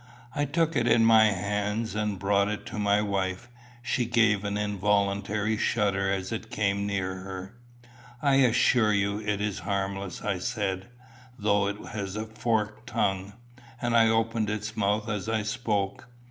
I took it in my hands, and brought it to my wife. She gave an involuntary shudder as it came near her. "I assure you it is harmless," I said, "though it has a forked tongue." And I opened its mouth as I spoke.